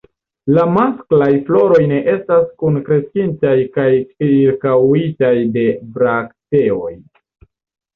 La masklaj floroj ne estas kunkreskintaj kaj ĉirkaŭitaj de brakteoj.